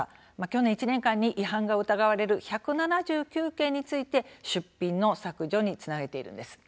去年１年間に違反が疑われる１７９件について出品の削除につなげているんです。